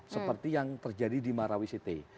seperti yang terjadi di marawi city